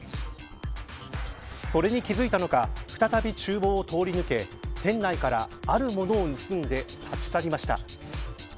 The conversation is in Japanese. それに気付いたのか再び厨房を通り抜け店内からあるものを盗んで立ち去りました。